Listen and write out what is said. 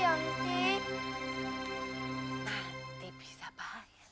kenapa nggak ada yang boleh tahu kita pergi yanti